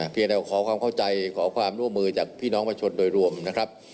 เพียงแต่ขอความเข้าใจขอความร่วมมือจากพี่น้องประชาชนโดยรวมนะครับ